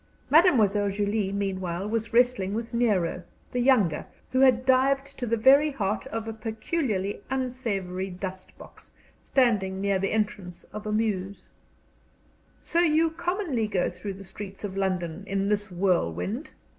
Mademoiselle Julie meanwhile was wrestling with Nero, the younger, who had dived to the very heart of a peculiarly unsavory dust box, standing near the entrance of a mews. "So you commonly go through the streets of London in this whirlwind?"